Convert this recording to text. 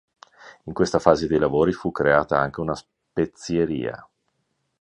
In questa fase dei lavori fu creata anche una spezieria.